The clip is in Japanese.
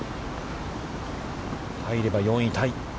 入れば４位タイ。